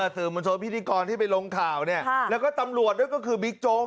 สื่อมวลชนพิธีกรที่ไปลงข่าวเนี่ยแล้วก็ตำรวจด้วยก็คือบิ๊กโจ๊ก